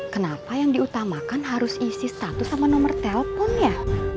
kenapa yang diutamakan harus isi status sama nomor teleponnya